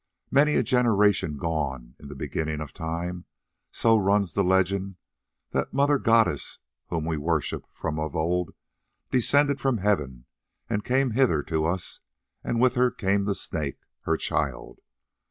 Many a generation gone in the beginning of time, so runs the legend, the Mother goddess whom we worship from of old, descended from heaven and came hither to us, and with her came the Snake, her child.